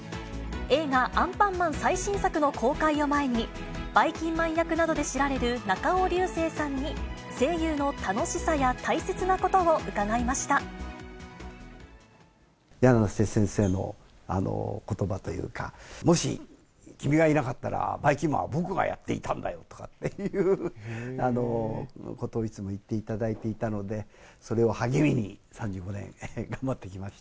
映画、アンパンマン最新作の公開を前に、ばいきんまん役などで知られる中尾隆聖さんに声優の楽しさや大切やなせ先生のことばというか、もし君がいなかったらばいきんまんは僕がやっていたんだよとかっていうことをいつも言っていただいていたので、それを励みに３５